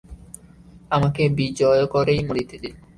আমাকে বিজয়গড়েই মরিতে দিন।